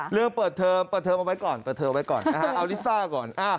เรื่องเปิดเทอมเปิดเทอมเอาไว้ก่อนเอาลิซ่าก่อน